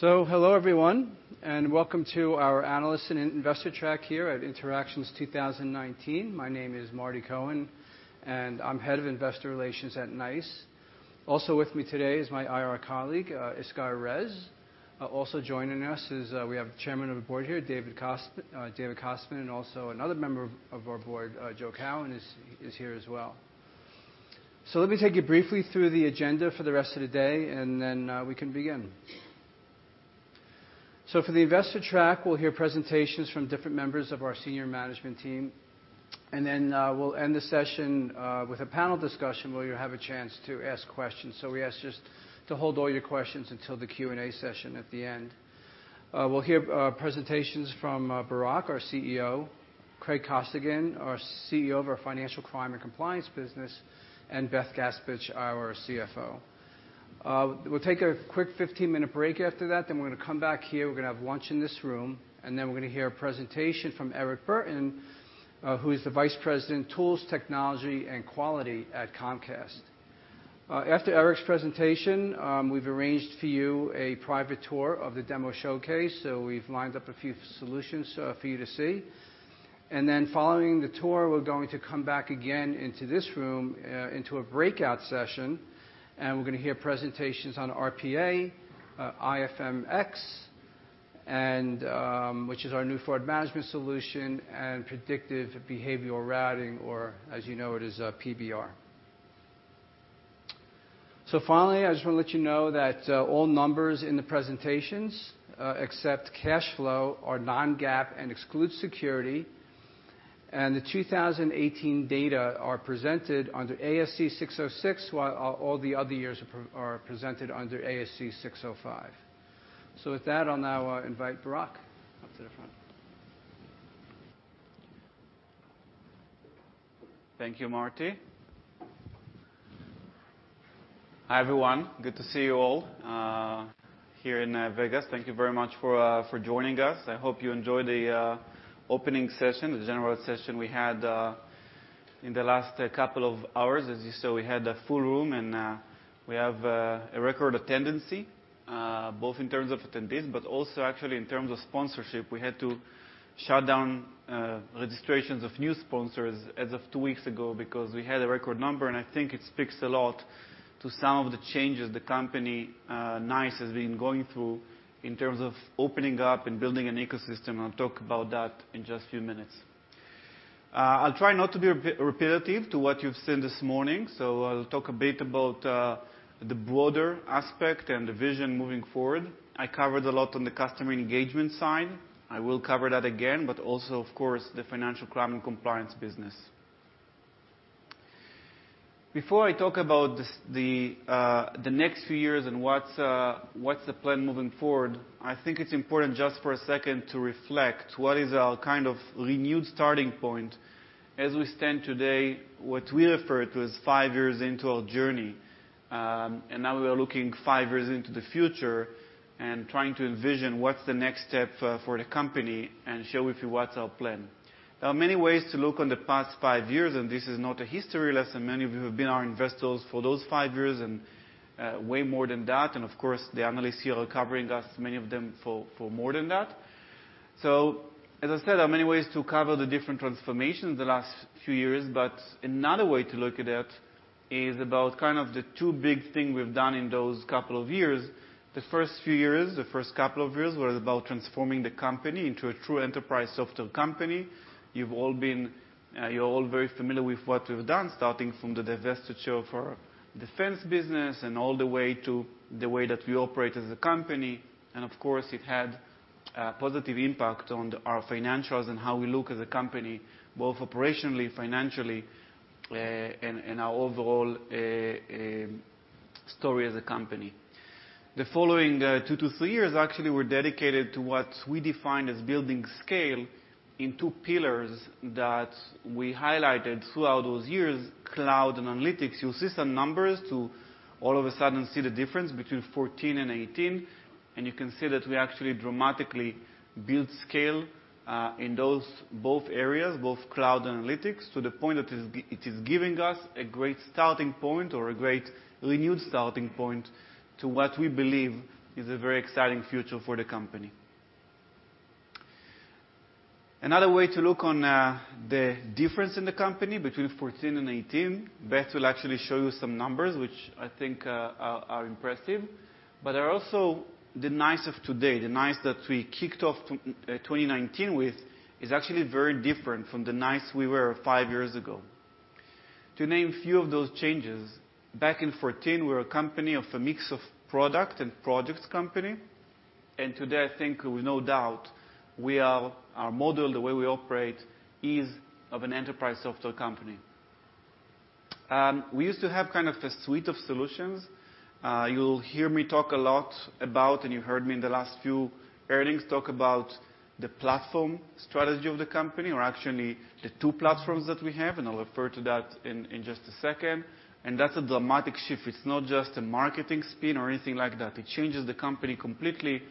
Hello, everyone, and welcome to our analyst and investor track here at Interactions 2019. My name is Marty Cohen, and I'm Head of Investor Relations at NICE. Also with me today is my IR colleague, Yisca Erez. Also joining us is, we have Chairman of the Board here, David Kostman, and also another member of our board, Joe Cowan is here as well. Let me take you briefly through the agenda for the rest of the day, and then we can begin. For the investor track, we'll hear presentations from different members of our senior management team, and then we'll end the session with a panel discussion where you'll have a chance to ask questions. We ask just to hold all your questions until the Q&A session at the end. We'll hear presentations from Barak, our CEO, Craig Costigan, our CEO of our Financial Crime and Compliance Business, and Beth Gaspich, our CFO. We'll take a quick 15-minute break after that, then we're gonna come back here, we're gonna have lunch in this room, and then we're gonna hear a presentation from Eric Burton, who is the Vice President, Tools, Technology, and Quality at Comcast. After Eric's presentation, we've arranged for you a private tour of the demo showcase, so we've lined up a few solutions for you to see. Following the tour, we're going to come back again into this room, into a breakout session, and we're gonna hear presentations on RPA, IFM-X, and which is our new fraud management solution, and predictive behavioral routing, or as you know it as PBR. Finally, I just want to let you know that all numbers in the presentations except cash flow are non-GAAP and exclude security. The 2018 data are presented under ASC 606, while all the other years are presented under ASC 605. With that, I'll now invite Barak up to the front. Thank you, Marty. Hi, everyone. Good to see you all here in Vegas. Thank you very much for joining us. I hope you enjoyed the opening session, the general session we had in the last couple of hours. As you saw, we had a full room and we have a record attendance both in terms of attendees, but also actually in terms of sponsorship. We had to shut down registrations of new sponsors as of two weeks ago because we had a record number, and I think it speaks a lot to some of the changes the company NICE has been going through in terms of opening up and building an ecosystem. I'll talk about that in just a few minutes. I'll try not to be repetitive to what you've seen this morning, so I'll talk a bit about the broader aspect and the vision moving forward. I covered a lot on the customer engagement side. I will cover that again, but also, of course, the financial crime and compliance business. Before I talk about the next few years and what's the plan moving forward, I think it's important just for a second to reflect what is our kind of renewed starting point as we stand today, what we refer to as five years into our journey. Now we are looking five years into the future and trying to envision what's the next step for the company and share with you what's our plan. There are many ways to look on the past five years, and this is not a history lesson. Many of you have been our investors for those five years and, way more than that. Of course, the analysts here are covering us, many of them for more than that. As I said, there are many ways to cover the different transformations the last few years, but another way to look at it is about kind of the two big things we've done in those couple of years. The first few years, the first couple of years, were about transforming the company into a true enterprise software company. You've all been, you're all very familiar with what we've done, starting from the divestiture for defense business and all the way to the way that we operate as a company. Of course, it had a positive impact on our financials and how we look as a company, both operationally, financially, and our overall story as a company. The following two to three years actually were dedicated to what we define as building scale in two pillars that we highlighted throughout those years, cloud and analytics. You'll see some numbers to all of a sudden see the difference between 2014 and 2018. You can see that we actually dramatically built scale in those both areas, both cloud and analytics, to the point that it is giving us a great starting point or a great renewed starting point to what we believe is a very exciting future for the company. Another way to look on the difference in the company between 14 and 18, Beth will actually show you some numbers, which I think are impressive. Are also the NICE of today, the NICE that we kicked off 2019 with, is actually very different from the NICE we were five years ago. To name a few of those changes, back in 14, we were a company of a mix of product and projects company. Today, I think with no doubt, our model, the way we operate, is of an enterprise software company. We used to have kind of a suite of solutions. You'll hear me talk a lot about, and you heard me in the last few earnings talk about the platform strategy of the company, or actually the two platforms that we have, and I'll refer to that in just a second. That's a dramatic shift. It's not just a marketing spin or anything like that. It changes the company completely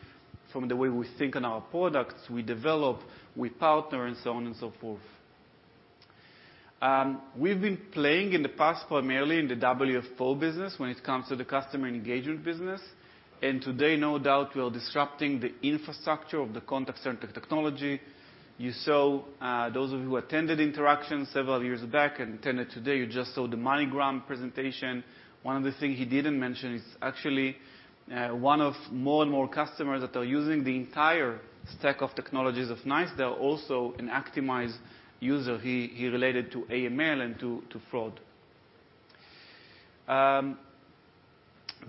from the way we think on our products, we develop, we partner, and so on and so forth. We've been playing in the past primarily in the WFO business when it comes to the customer engagement business. Today, no doubt, we are disrupting the infrastructure of the contact center technology. You saw, those of you who attended Interactions several years back and attended today, you just saw the MoneyGram presentation. One of the things he didn't mention is actually, one of more and more customers that are using the entire stack of technologies of NICE. They're also an Actimize user. He related to AML and to fraud.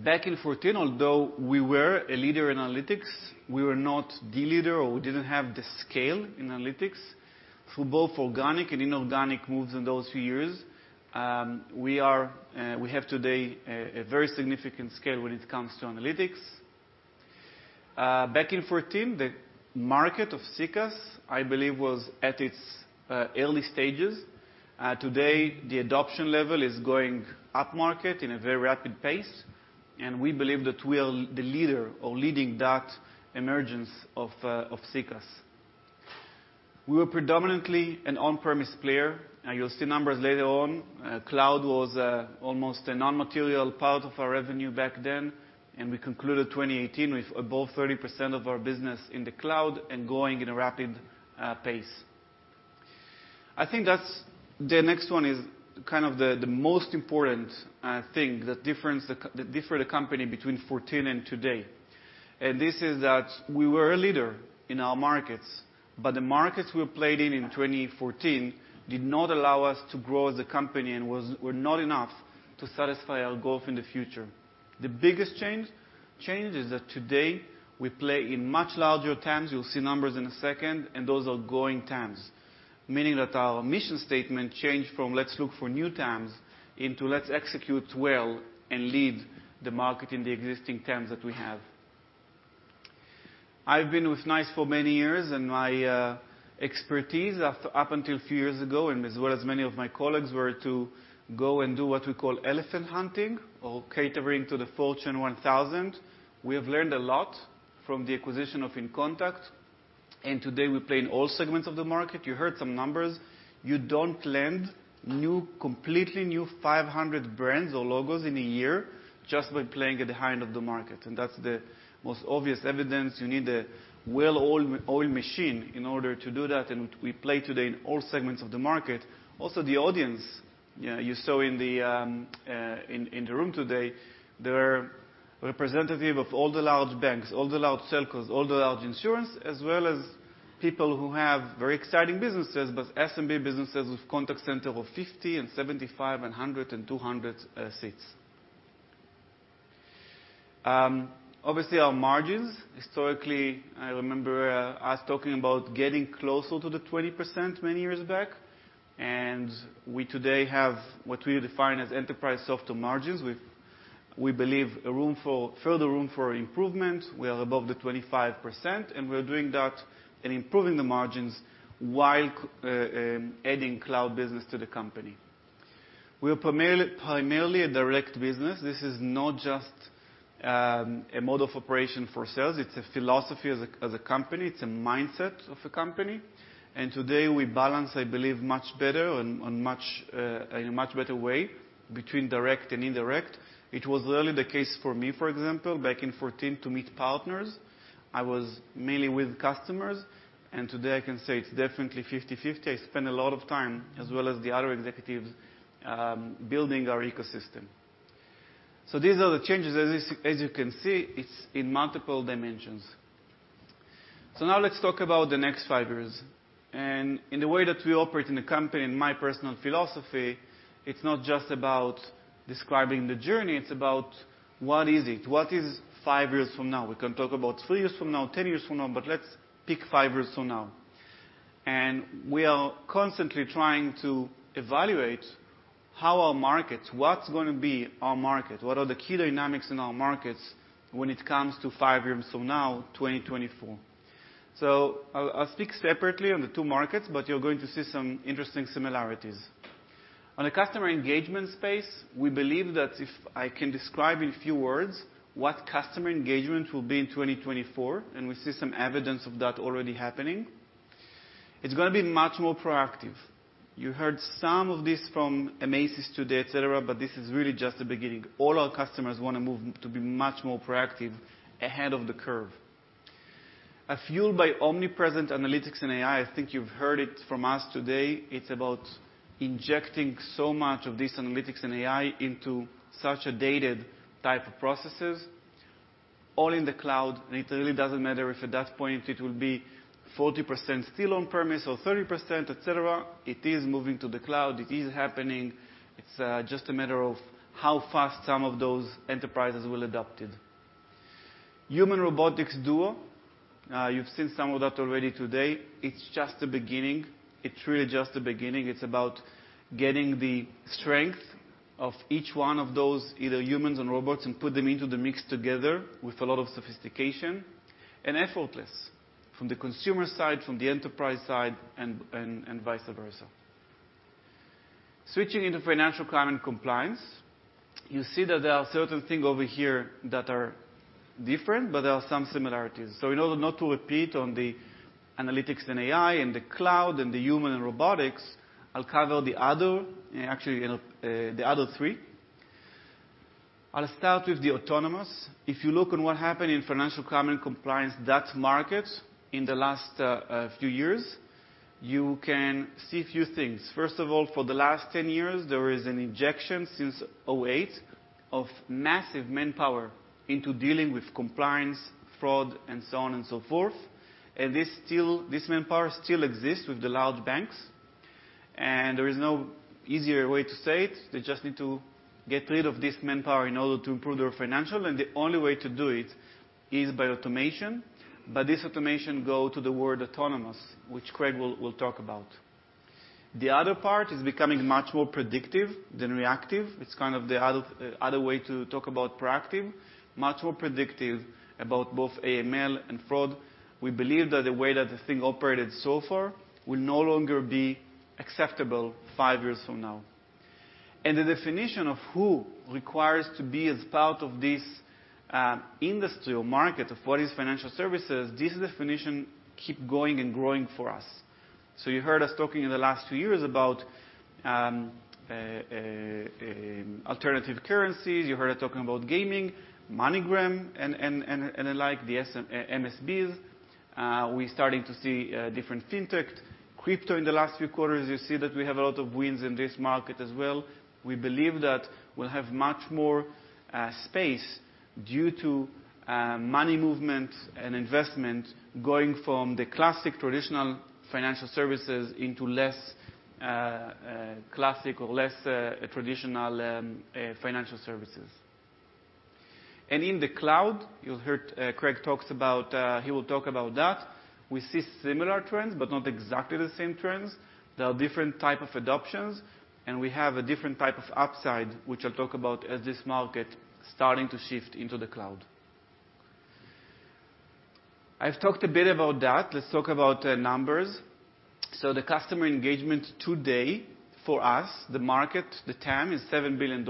Back in 2014, although we were a leader in analytics, we were not the leader or we didn't have the scale in analytics. Through both organic and inorganic moves in those few years, we have today a very significant scale when it comes to analytics. Back in 2014, the market of CCaaS, I believe, was at its early stages. Today the adoption level is going upmarket in a very rapid pace, we believe that we are the leader or leading that emergence of CCaaS. We were predominantly an on-premise player. You'll see numbers later on. Cloud was almost a non-material part of our revenue back then, and we concluded 2018 with above 30% of our business in the cloud and growing in a rapid pace. I think that's. The next one is kind of the most important thing, the difference the different company between 2014 and today. This is that we were a leader in our markets, but the markets we played in in 2014 did not allow us to grow as a company and were not enough to satisfy our growth in the future. The biggest change is that today we play in much larger TAMs, you'll see numbers in a second, and those are growing TAMs. Meaning that our mission statement changed from let's look for new TAMs into let's execute well and lead the market in the existing TAMs that we have. I've been with NICE for many years, and my expertise up until a few years ago, and as well as many of my colleagues, were to go and do what we call elephant hunting or catering to the Fortune 1,000. We have learned a lot from the acquisition of inContact, and today we play in all segments of the market. You heard some numbers. You don't land new, completely new 500 brands or logos in a year just by playing at the high end of the market, and that's the most obvious evidence. You need a well-oiled machine in order to do that, and we play today in all segments of the market. Also, the audience. You know, you saw in the room today, there are representative of all the large banks, all the large telcos, all the large insurance, as well as people who have very exciting businesses, but SMB businesses with contact center of 50 and 75 and 100 and 200 seats. Obviously, our margins. Historically, I remember us talking about getting closer to the 20% many years back, and we today have what we define as enterprise software margins. We believe further room for improvement. We are above the 25%, and we're doing that and improving the margins while adding cloud business to the company. We are primarily a direct business. This is not just a mode of operation for sales. It's a philosophy as a company. It's a mindset of a company. Today we balance, I believe, much better in a much better way between direct and indirect. It was rarely the case for me, for example, back in 2014 to meet partners. I was mainly with customers. Today I can say it's definitely 50/50. I spend a lot of time, as well as the other executives, building our ecosystem. These are the changes. As you can see, it's in multiple dimensions. Now let's talk about the next five years. In the way that we operate in the company and my personal philosophy, it's not just about describing the journey, it's about what is it? What is five years from now? We can talk about three years from now, 10 years from now, let's pick three years from now. We are constantly trying to evaluate how our markets, what's gonna be our market? What are the key dynamics in our markets when it comes to three years from now, 2024? I'll speak separately on the two markets, but you're going to see some interesting similarities. On the customer engagement space, we believe that if I can describe in a few words what customer engagement will be in 2024, and we see some evidence of that already happening. It's gonna be much more proactive. You heard some of this from Amadeus today, et cetera, but this is really just the beginning. All our customers wanna move to be much more proactive ahead of the curve. Fueled by omnipresent analytics and AI. I think you've heard it from us today. It's about injecting so much of this analytics and AI into such a dated type of processes, all in the cloud. It really doesn't matter if at that point it will be 40% still on-premise or 30%, et cetera. It is moving to the cloud. It is happening. It's just a matter of how fast some of those enterprises will adopt it. Human-robotics duo. You've seen some of that already today. It's just the beginning. It's really just the beginning. It's about getting the strength of each one of those, either humans and robots, and put them into the mix together with a lot of sophistication and effortless from the consumer side, from the enterprise side, and, and vice versa. Switching into financial crime and compliance. You see that there are certain things over here that are different, but there are some similarities. In order not to repeat on the analytics and AI and the cloud and the human and robotics, I'll cover the other, actually, you know, the other three. I'll start with the autonomous. If you look on what happened in financial crime and compliance, that market in the last few years, you can see a few things. First of all, for the last 10 years, there is an injection since 2008 of massive manpower into dealing with compliance, fraud, and so on and so forth. This manpower still exists with the large banks, and there is no easier way to say it. They just need to get rid of this manpower in order to improve their financial. The only way to do it is by automation. This automation go to the word autonomous, which Craig will talk about. The other part is becoming much more predictive than reactive. It's kind of the other way to talk about proactive, much more predictive about both AML and fraud. We believe that the way that the thing operated so far will no longer be acceptable five years from now. The definition of who requires to be as part of this industry or market of what is financial services, this definition keep going and growing for us. You heard us talking in the last two years about alternative currencies. You heard us talking about gaming, MoneyGram, and alike, the MSBs. We starting to see different fintech. Crypto in the last few quarters, you see that we have a lot of wins in this market as well. We believe that we'll have much more space due to money movement and investment going from the classic traditional financial services into less classic or less traditional financial services. In the cloud, you'll hear Craig talks about, he will talk about that. We see similar trends, but not exactly the same trends. There are different type of adoptions, and we have a different type of upside, which I'll talk about as this market starting to shift into the cloud. I've talked a bit about that. Let's talk about numbers. The customer engagement today for us, the market, the TAM, is $7 billion,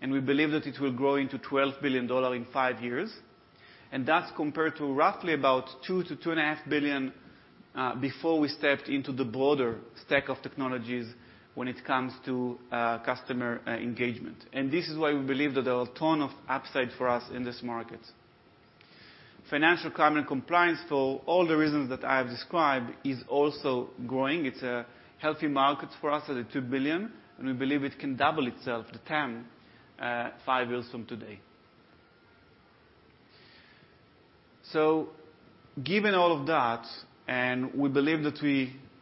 and we believe that it will grow into $12 billion in five years. That's compared to roughly about $2 billion-$2.5 billion before we stepped into the broader stack of technologies when it comes to customer engagement. This is why we believe that there are a ton of upside for us in this market. Financial crime and compliance, for all the reasons that I have described, is also growing. It's a healthy market for us at a $2 billion, and we believe it can double itself to $10 billion five years from today. Given all of that, and we believe that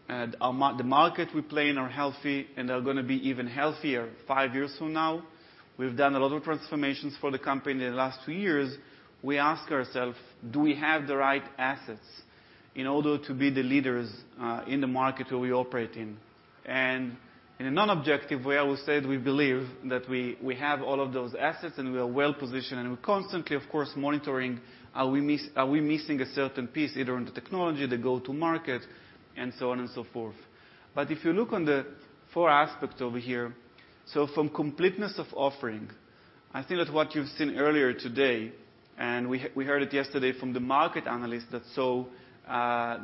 the markets we play in are healthy, and they're gonna be even healthier five years from now. We've done a lot of transformations for the company in the last two years. We ask ourselves, do we have the right assets in order to be the leaders in the market where we operate in? In a non-objective way, I will say that we believe that we have all of those assets, and we are well-positioned. We're constantly, of course, monitoring are we missing a certain piece, either in the technology, the go-to-market, and so on and so forth. If you look on the four aspects over here, from completeness of offering, I think that what you've seen earlier today, and we heard it yesterday from the market analyst that saw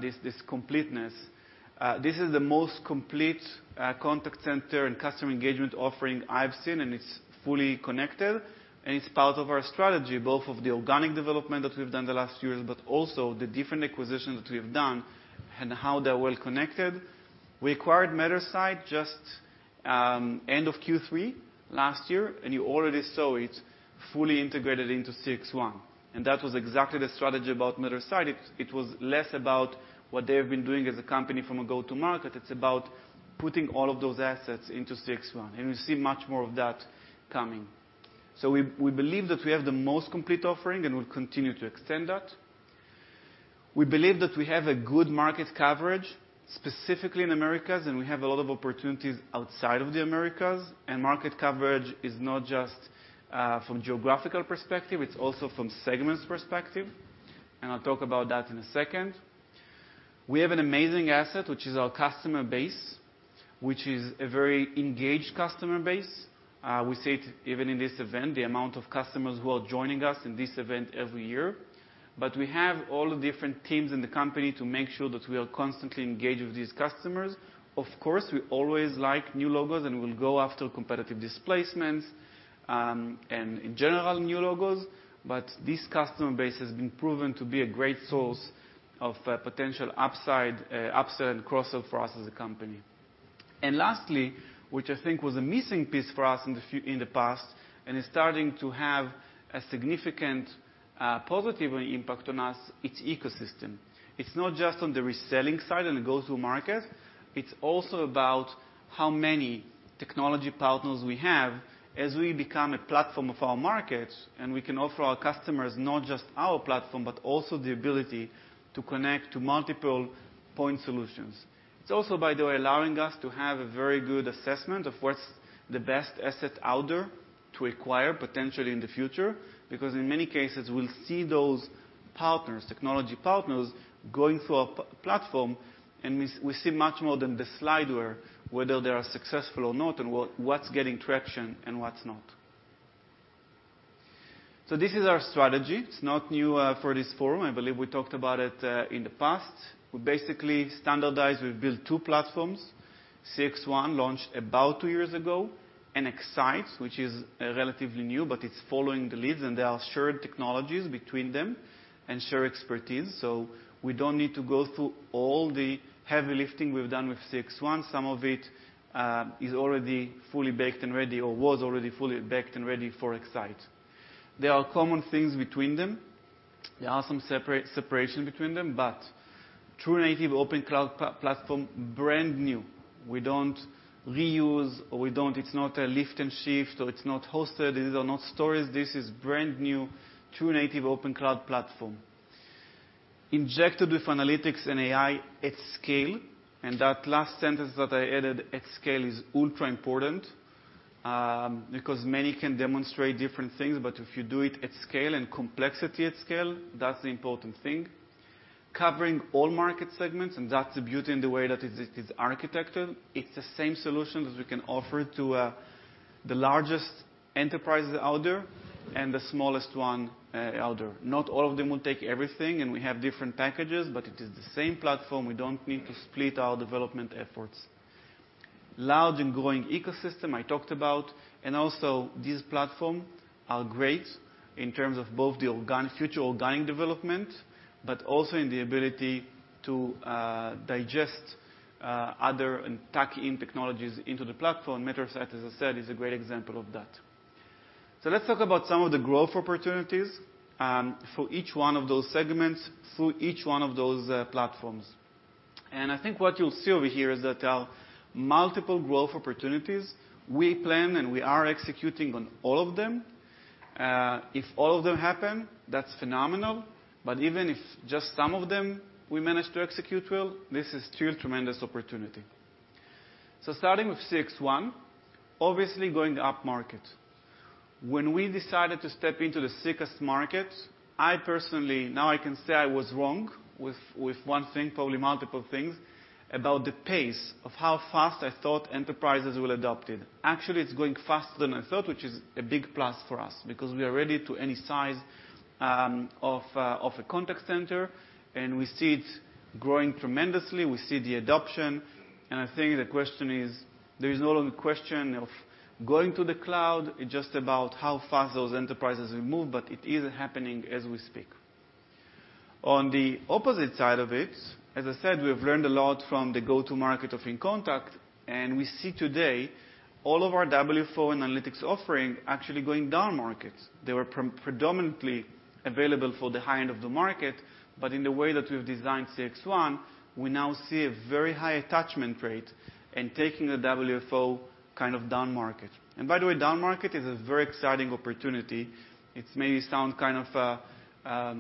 this completeness, this is the most complete contact center and customer engagement offering I've seen, and it's fully connected. It's part of our strategy, both of the organic development that we've done the last years, but also the different acquisitions that we have done and how they're well connected. We acquired Mattersight just end of Q3 last year, and you already saw it fully integrated into CXone. That was exactly the strategy about Mattersight. It was less about what they have been doing as a company from a go-to market. It's about putting all of those assets into CXone, and we see much more of that coming. We believe that we have the most complete offering, and we'll continue to extend that. We believe that we have a good market coverage, specifically in Americas, and we have a lot of opportunities outside of the Americas. Market coverage is not just from geographical perspective, it's also from segments perspective, and I'll talk about that in a second. We have an amazing asset, which is our customer base, which is a very engaged customer base. We see it even in this event, the amount of customers who are joining us in this event every year. We have all the different teams in the company to make sure that we are constantly engaged with these customers. Of course, we always like new logos, and we'll go after competitive displacements, and in general, new logos. This customer base has been proven to be a great source of potential upside, upsell and cross-sell for us as a company. Lastly, which I think was a missing piece for us in the past and is starting to have a significant, positive impact on us, it's ecosystem. It's not just on the reselling side and the go-to-market. It's also about how many technology partners we have as we become a platform of our markets, and we can offer our customers not just our platform, but also the ability to connect to multiple point solutions. It's also, by the way, allowing us to have a very good assessment of what's the best asset out there to acquire potentially in the future. Because in many cases, we'll see those partners, technology partners, going through our platform, and we see much more than the slide where whether they are successful or not and what's getting traction and what's not. This is our strategy. It's not new for this forum. I believe we talked about it in the past. We basically standardized. We've built two platforms. CXone launched about two years ago, and X-Sight, which is relatively new, but it's following the leads, and there are shared technologies between them and shared expertise. We don't need to go through all the heavy lifting we've done with CXone. Some of it is already fully baked and ready or was already fully baked and ready for X-Sight. There are common things between them. There are some separation between them, but true native open cloud platform, brand new. We don't reuse, or we don't It's not a lift and shift, or it's not hosted. These are not stories. This is brand-new, true native open cloud platform. Injected with analytics and AI at scale, and that last sentence that I added, at scale, is ultra-important, because many can demonstrate different things, but if you do it at scale and complexity at scale, that's the important thing. Covering all market segments, and that's the beauty in the way that it's architected. It's the same solutions we can offer to the largest enterprises out there and the smallest one out there. Not all of them will take everything, and we have different packages, but it is the same platform. We don't need to split our development efforts. Large and growing ecosystem I talked about, and also these platform are great in terms of both the future organic development, but also in the ability to digest other and tack in technologies into the platform. Mattersight, as I said, is a great example of that. Let's talk about some of the growth opportunities for each one of those segments, for each one of those platforms. I think what you'll see over here is that our multiple growth opportunities, we plan and we are executing on all of them. If all of them happen, that's phenomenal. Even if just some of them we manage to execute well, this is still tremendous opportunity. Starting with CXone, obviously going up-market. When we decided to step into the CX market, I personally, now I can say I was wrong with one thing, probably multiple things, about the pace of how fast I thought enterprises will adopt it. Actually, it's going faster than I thought, which is a big plus for us because we are ready to any size of a contact center, and we see it growing tremendously. We see the adoption. I think the question is, there is no longer a question of going to the cloud, it's just about how fast those enterprises will move, but it is happening as we speak. On the opposite side of it, as I said, we have learned a lot from the go-to market of inContact, and we see today all of our WFO and analytics offering actually going down markets. They were predominantly available for the high end of the market, but in the way that we've designed CXone, we now see a very high attachment rate in taking the WFO kind of down market. By the way, down market is a very exciting opportunity. It may sound kind of, I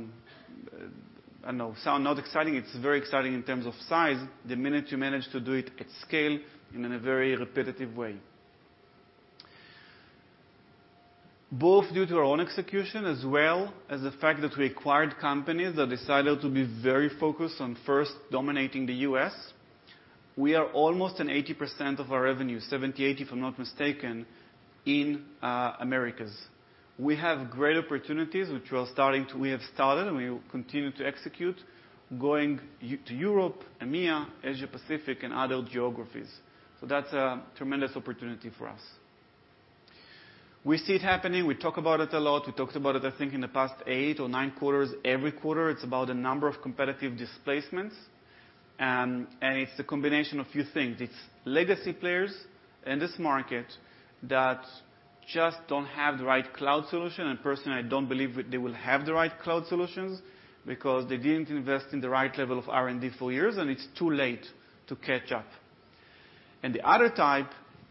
don't know, sound not exciting. It's very exciting in terms of size the minute you manage to do it at scale and in a very repetitive way. Both due to our own execution, as well as the fact that we acquired companies that decided to be very focused on first dominating the U.S., we are almost in 80% of our revenue, 70, 80, if I'm not mistaken, in Americas. We have great opportunities, which we have started, and we will continue to execute, going to Europe, EMEA, Asia-Pacific and other geographies. That's a tremendous opportunity for us. We see it happening. We talk about it a lot. We talked about it, I think, in the past eight or nine quarters. Every quarter, it's about a number of competitive displacements. It's a combination of few things. It's legacy players in this market that just don't have the right cloud solution. Personally, I don't believe they will have the right cloud solutions because they didn't invest in the right level of R&D for years, and it's too late to catch up. The other type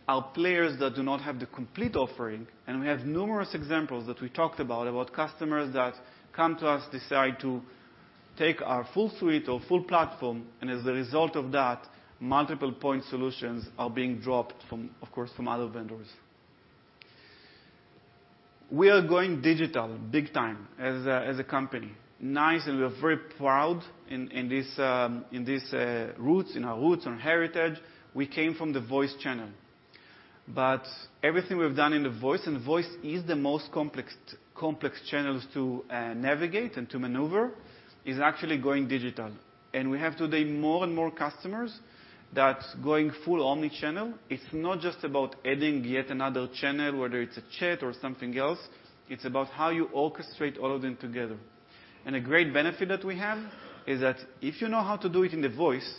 are players that do not have the complete offering. We have numerous examples that we talked about customers that come to us, decide to take our full suite or full platform, and as a result of that, multiple point solutions are being dropped from, of course, from other vendors. We are going digital big time as a company, NICE, and we're very proud in this roots, in our roots and heritage. We came from the voice channel. Everything we've done in the voice, and voice is the most complex channels to navigate and to maneuver, is actually going digital. We have today more and more customers that's going full omni-channel. It's not just about adding yet another channel, whether it's a chat or something else. It's about how you orchestrate all of them together. A great benefit that we have is that if you know how to do it in the voice,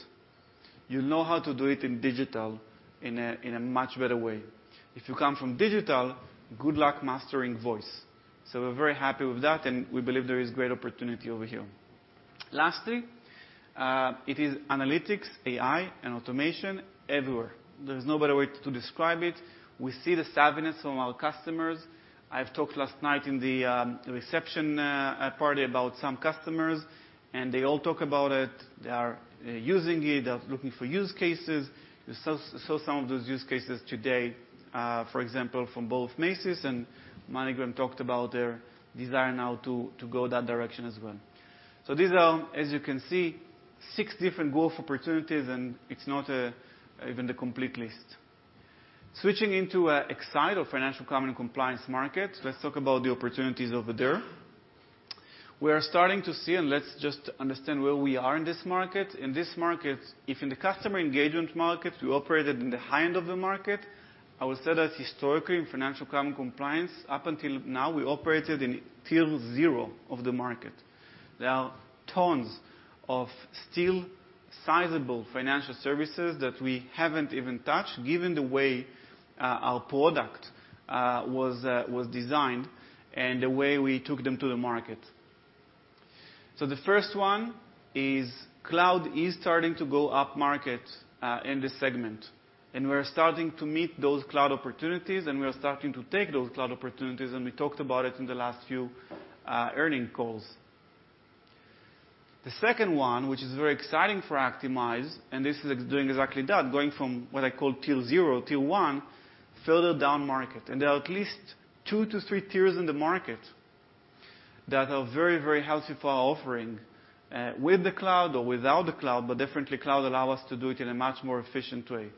you'll know how to do it in digital in a much better way. If you come from digital, good luck mastering voice. We're very happy with that, and we believe there is great opportunity over here. Lastly, it is analytics, AI, and automation everywhere. There's no better way to describe it. We see the savviness from our customers. I've talked last night in the reception party about some customers, and they all talk about it. They are using it. They're looking for use cases. You saw some of those use cases today, for example, from both Macy's and MoneyGram talked about their desire now to go that direction as well. These are, as you can see, six different growth opportunities, and it's not even the complete list. Switching into X-Sight or financial crime and compliance market, let's talk about the opportunities over there. We are starting to see, and let's just understand where we are in this market. In this market, if in the customer engagement market, we operated in the high end of the market, I would say that historically, in financial crime compliance, up until now, we operated in tier zero of the market. There are tons of still sizable financial services that we haven't even touched, given the way our product was designed and the way we took them to the market. The first one is cloud is starting to go up market in this segment, and we're starting to meet those cloud opportunities, and we are starting to take those cloud opportunities, and we talked about it in the last few earning calls. The second one, which is very exciting for Actimize, and this is doing exactly that, going from what I call Tier 0, Tier 1, further down market. There are at least 2 to 3 tiers in the market that are very, very healthy for our offering with the cloud or without the cloud, but differently cloud allow us to do it in a much more efficient way.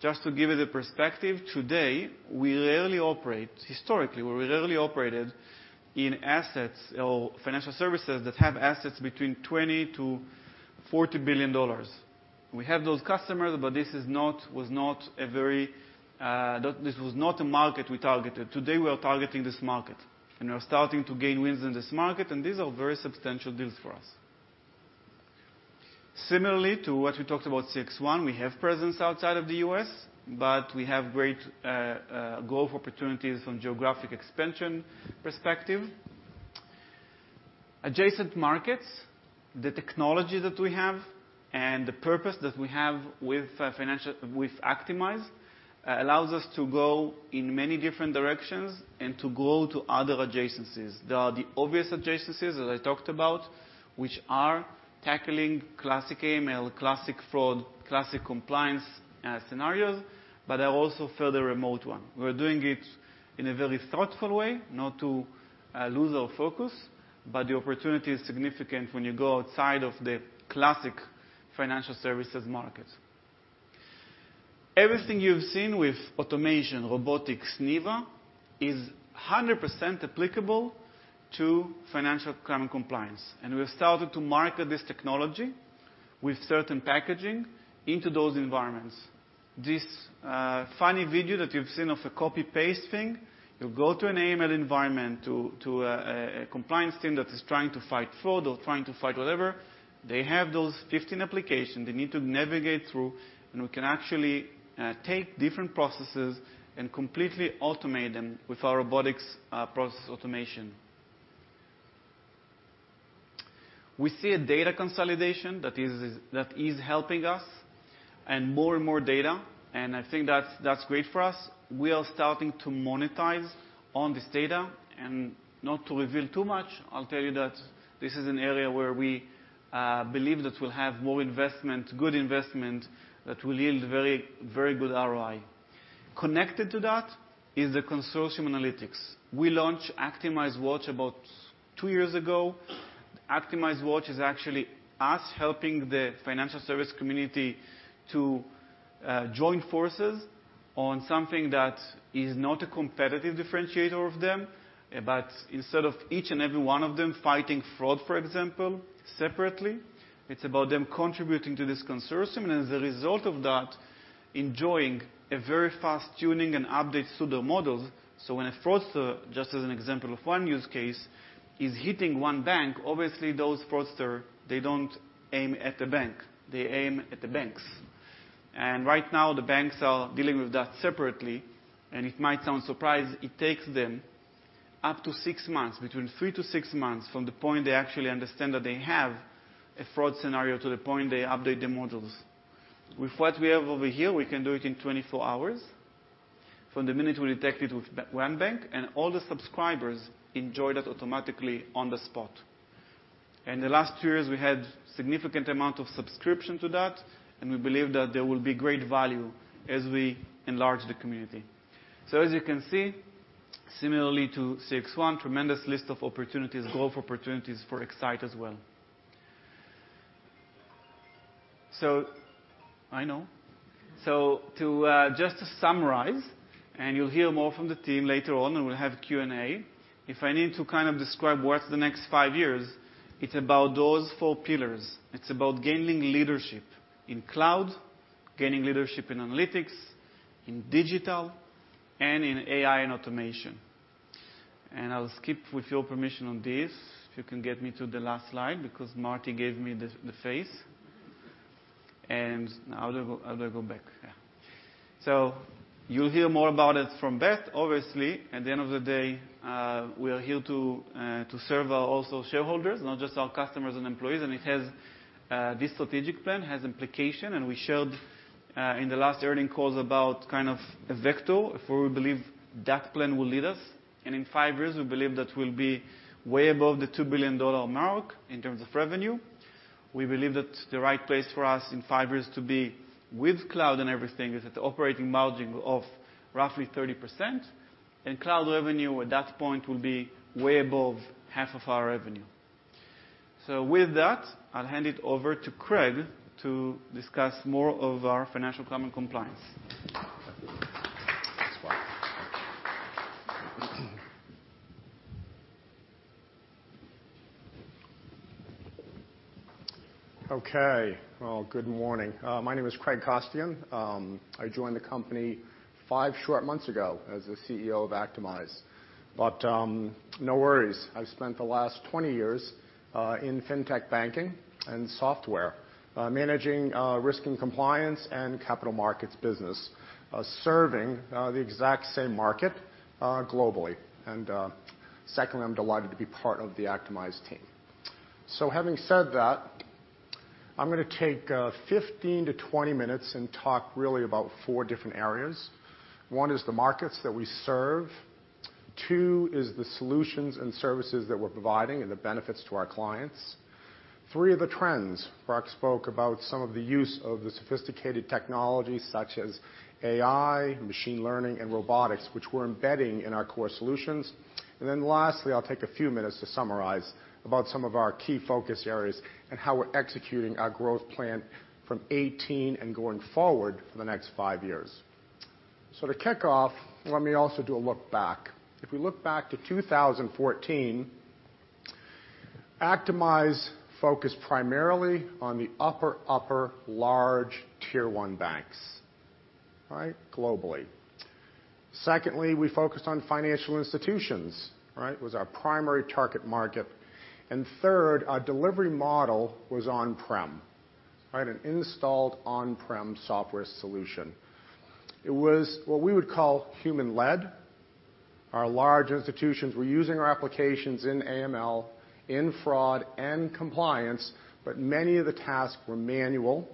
Just to give you the perspective, today, we rarely operate historically, we rarely operated in assets or financial services that have assets between $20 billion-$40 billion. We have those customers, this is not, was not a very, this was not a market we targeted. Today, we are targeting this market, we are starting to gain wins in this market, these are very substantial deals for us. Similarly to what we talked about CXone we have presence outside of the U.S., we have great growth opportunities from geographic expansion perspective. Adjacent markets, the technology that we have and the purpose that we have with Actimize allows us to go in many different directions and to go to other adjacencies. There are the obvious adjacencies that I talked about, which are tackling classic AML, classic fraud, classic compliance scenarios. There are also further remote one. We're doing it in a very thoughtful way, not to lose our focus. The opportunity is significant when you go outside of the classic financial services market. Everything you've seen with automation, robotics, NEVA, is 100% applicable to financial crime and compliance. We've started to market this technology with certain packaging into those environments. This funny video that you've seen of a copy-paste thing, you go to an AML environment to a compliance team that is trying to fight fraud or trying to fight whatever, they have those 15 application they need to navigate through. We can actually take different processes and completely automate them with our robotics process automation. We see a data consolidation that is helping us and more and more data, and I think that's great for us. We are starting to monetize on this data. Not to reveal too much, I'll tell you that this is an area where we believe that we'll have more investment, good investment that will yield very, very good ROI. Connected to that is the consortium analytics. We launched ActimizeWatch about two years ago. ActimizeWatch is actually us helping the financial service community to join forces on something that is not a competitive differentiator of them. Instead of each and every one of them fighting fraud, for example, separately, it's about them contributing to this consortium, and as a result of that, enjoying a very fast tuning and updates to their models. When a fraudster, just as an example of one use case, is hitting one bank, obviously, those fraudster, they don't aim at a bank, they aim at the banks. Right now, the banks are dealing with that separately, and it might sound surprise, it takes them up to six months, between three to six months, from the point they actually understand that they have a fraud scenario to the point they update their models. With what we have over here, we can do it in 24 hours. From the minute we detect it with one bank, and all the subscribers enjoy that automatically on the spot. The last two years, we had significant amount of subscription to that, and we believe that there will be great value as we enlarge the community. As you can see, similarly to CXone, tremendous list of opportunities, growth opportunities for X-Sight as well. I know. To just to summarize, and you'll hear more from the team later on, and we'll have Q&A. If I need to kind of describe what's the next five years, it's about those four pillars. It's about gaining leadership in cloud, gaining leadership in analytics, in digital, and in AI and automation. I'll skip, with your permission, on this. If you can get me to the last slide because Marty gave me the face. Now, how do I go back? Yeah. You'll hear more about it from Beth. Obviously, at the end of the day, we are here to serve our also shareholders, not just our customers and employees. It has, this strategic plan has implication, we showed in the last earnings calls about kind of a vector of where we believe that plan will lead us. In five years, we believe that we'll be way above the $2 billion mark in terms of revenue. We believe that the right place for us in five years to be with cloud and everything is at operating margin of roughly 30%. Cloud revenue at that point will be way above half of our revenue. With that, I'll hand it over to Craig to discuss more of our financial crime and compliance. Thanks, Barak. Okay. Well, good morning. My name is Craig Costigan. I joined the company five short months ago as the CEO of Actimize. No worries, I've spent the last 20 years in fintech banking and software, managing risk and compliance and capital markets business, serving the exact same market globally. Secondly, I'm delighted to be part of the Actimize team. Having said that, I'm gonna take 15-20 minutes and talk really about four different areas. One is the markets that we serve. Two is the solutions and services that we're providing and the benefits to our clients. One are the trends. Barak spoke about some of the use of the sophisticated technology such as AI, machine learning, and robotics, which we're embedding in our core solutions. Lastly, I'll take a few minutes to summarize about some of our key focus areas and how we're executing our growth plan from 2018 and going forward for the next five years. To kick off, let me also do a look back. If we look back to 2014, Actimize focused primarily on the upper large tier one banks, right? Globally. Secondly, we focused on financial institutions, right? It was our primary target market. Third, our delivery model was on-prem, right? An installed on-prem software solution. It was what we would call human-led. Our large institutions were using our applications in AML, in fraud, and compliance, but many of the tasks were manual.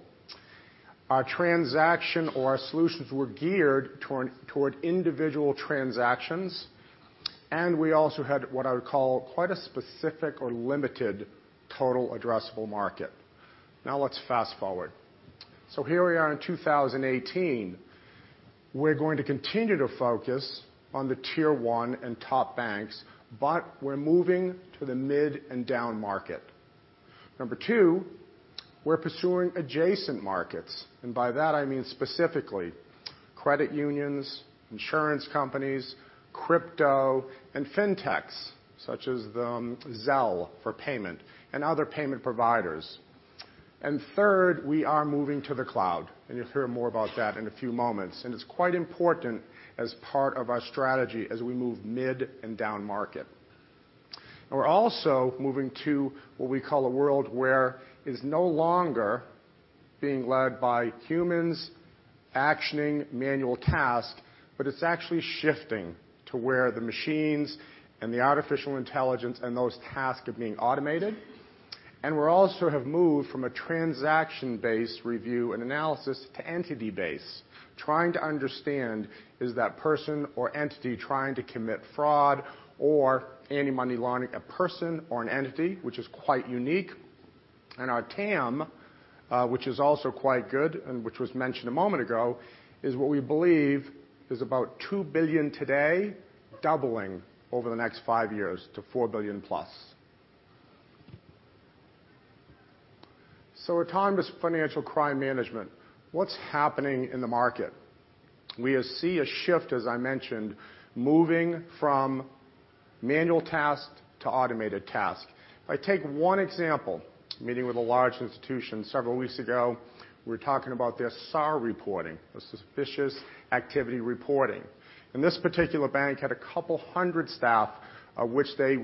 Our transaction or our solutions were geared toward individual transactions. We also had what I would call quite a specific or limited total addressable market. Now let's fast-forward. Here we are in 2018. We're going to continue to focus on the tier one and top banks, but we're moving to the mid and down market. Number two, we're pursuing adjacent markets, and by that I mean specifically credit unions, insurance companies, crypto, and fintechs such as the Zelle for payment and other payment providers. Third, we are moving to the cloud, and you'll hear more about that in a few moments. It's quite important as part of our strategy as we move mid and down market. We're also moving to what we call a world where it's no longer being led by humans actioning manual tasks, but it's actually shifting to where the machines and the artificial intelligence and those tasks are being automated. We also have moved from a transaction-based review and analysis to entity-based. Trying to understand, is that person or entity trying to commit fraud or anti-money laundering, a person or an entity, which is quite unique. Our TAM, which is also quite good and which was mentioned a moment ago, is what we believe is about $2 billion today, doubling over the next five years to $4 billion plus. Our TAM is financial crime management. What's happening in the market? We see a shift, as I mentioned, moving from manual tasks to automated tasks. If I take one example, meeting with a large institution several weeks ago, we were talking about their SAR reporting, the suspicious activity reporting. This particular bank had 200 staff, of which they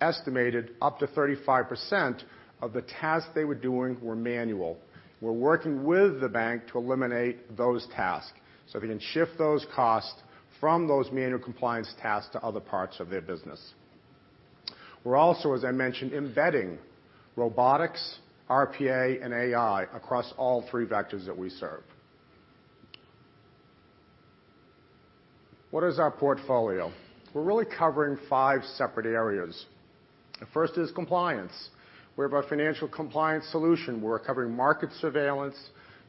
estimated up to 35% of the tasks they were doing were manual. We're working with the bank to eliminate those tasks so they can shift those costs from those manual compliance tasks to other parts of their business. We're also, as I mentioned, embedding robotics, RPA, and AI across all three vectors that we serve. What is our portfolio? We're really covering five separate areas. The 1st is compliance. We have our financial compliance solution. We're covering market surveillance,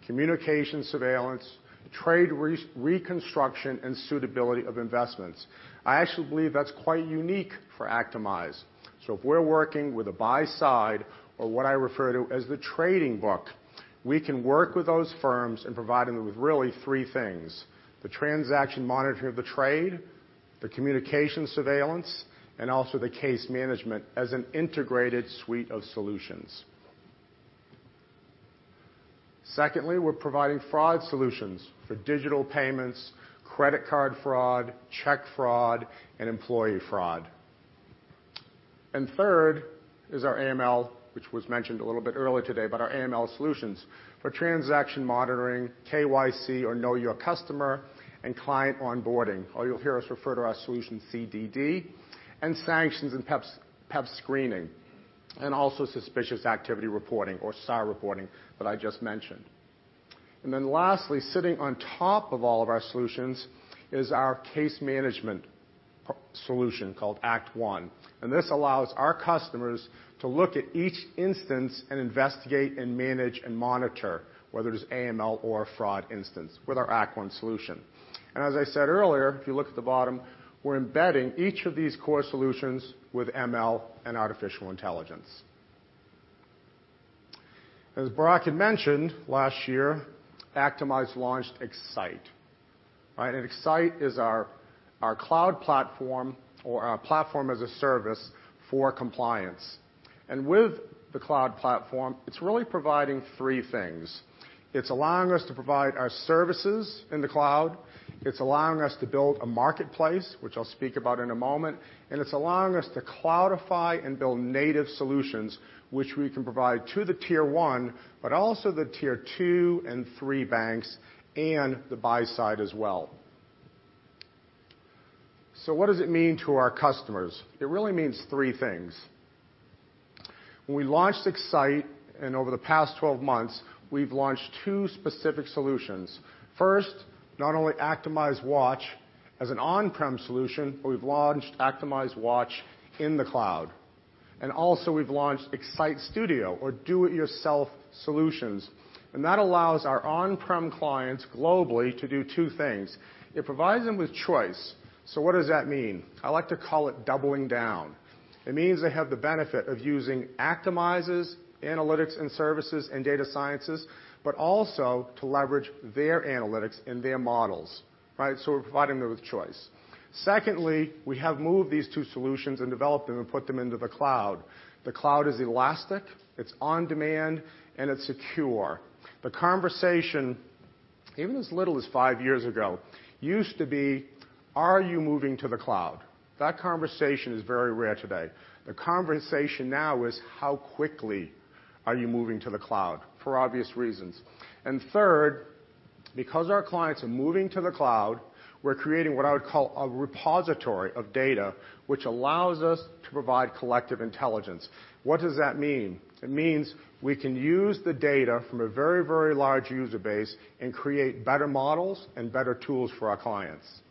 communication surveillance, trade reconstruction, and suitability of investments. I actually believe that's quite unique for Actimize. If we're working with a buy side or what I refer to as the trading book, we can work with those firms in providing them with really three things: the transaction monitoring of the trade, the communication surveillance, and also the case management as an integrated suite of solutions. Secondly, we're providing fraud solutions for digital payments, credit card fraud, check fraud, and employee fraud. Third is our AML, which was mentioned a little bit earlier today, but our AML solutions for transaction monitoring, KYC or know your customer, and client onboarding, or you'll hear us refer to our solution CDD, and sanctions and PEP screening, and also suspicious activity reporting or SAR reporting that I just mentioned. Lastly, sitting on top of all of our solutions is our case management solution called ActOne, and this allows our customers to look at each instance and investigate and manage and monitor whether it's AML or a fraud instance with our ActOne solution. As I said earlier, if you look at the bottom, we're embedding each of these core solutions with ML and artificial intelligence. As Barak had mentioned last year, Actimize launched X-Sight, right? X-Sight is our cloud platform or our platform as a service for compliance. With the cloud platform, it's really providing three things. It's allowing us to provide our services in the cloud. It's allowing us to build a marketplace, which I'll speak about in a moment, and it's allowing us to cloudify and build native solutions which we can provide to the Tier 1, but also the Tier 2 and 3 banks and the buy side as well. What does it mean to our customers? It really means three things. When we launched X-Sight, and over the past 12 months, we've launched two specific solutions. First, not only ActimizeWatch as an on-prem solution, but we've launched ActimizeWatch in the cloud. Also we've launched X-Sight Studio or do it yourself solutions. That allows our on-prem clients globally to do two things. It provides them with choice. What does that mean? I like to call it doubling down. It means they have the benefit of using Actimize's analytics and services and data sciences, but also to leverage their analytics and their models, right? Secondly, we have moved these two solutions and developed them and put them into the cloud. The cloud is elastic, it's on-demand, and it's secure. The conversation, even as little as five years ago, used to be, "Are you moving to the cloud?" That conversation is very rare today. The conversation now is, "How quickly are you moving to the cloud?" For obvious reasons. Third, because our clients are moving to the cloud, we're creating what I would call a repository of data which allows us to provide collective intelligence. What does that mean? It means we can use the data from a very, very large user base and create better models and better tools for our clients.